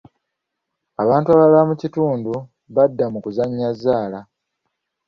Abantu abalala mu kitundu badda mu kuzannya zzaala.